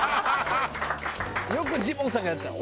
よくジモンさんがやってた。